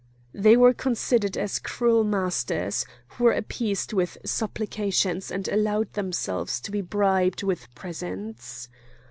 They were considered as cruel masters, who were appeased with supplications and allowed themselves to be bribed with presents.